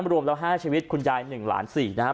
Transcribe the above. รวมละ๕ชีวิตคุณยาย๑หลาน๔นะฮะ